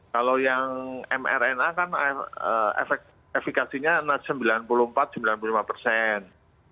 kalau yang mrna kan efekasinya sembilan puluh empat sembilan puluh lima persen